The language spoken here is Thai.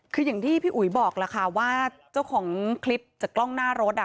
คืออย่างที่พี่อุ๋ยบอกล่ะค่ะว่าเจ้าของคลิปจากกล้องหน้ารถ